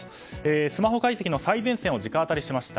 スマホ解析の最前線を直アタリしました。